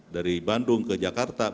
dari bandung ke jakarta